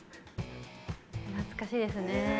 懐かしいですね。